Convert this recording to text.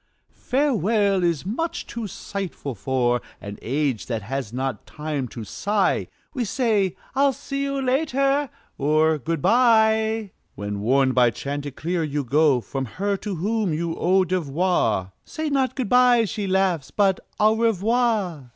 "Farewell" is much too sighful for An age that has not time to sigh. We say, "I'll see you later," or "Good by!" When, warned by chanticleer, you go From her to whom you owe devoir, "Say not 'good by,'" she laughs, "but 'Au Revoir!'"